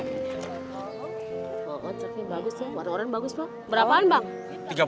oh ocek ini bagus ya warna orang bagus bang berapaan bang